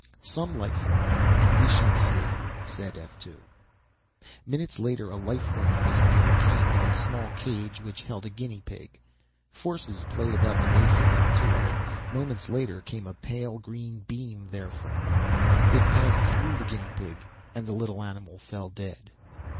"Some life form, and we shall see," said F 2. Minutes later a life form investigator came with a small cage, which held a guinea pig. Forces played about the base of F 2, and moments later, came a pale green beam therefrom. It passed through the guinea pig, and the little animal fell dead.